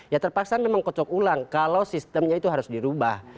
ya terpaksa memang kocok ulang kalau sistemnya itu harus dirubah